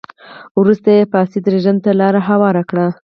وروسته یې فاسد رژیم ته لار هواره کړه.